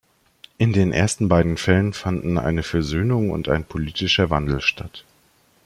In den ersten beiden Fällen fanden eine Versöhnung und ein politischer Wandel statt.